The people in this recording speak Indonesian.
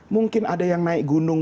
mungkin ada yang naik gunung